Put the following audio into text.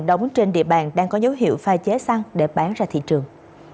đóng trên địa bàn đang có dấu hiệu pha chế xăng để bán ra thị trường